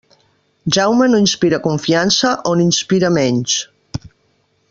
Jaume no inspira confiança o n'inspira menys.